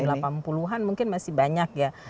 jadi sejak tahun ke enam puluh an mungkin masih banyak ya